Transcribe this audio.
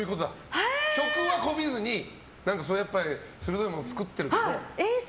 曲はこびずに鋭いものを作っていると。